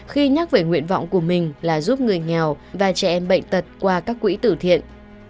khi nhắc về nguyện vọng của mình là giúp người nghèo và trẻ em bệnh tật qua các quỹ tử thiện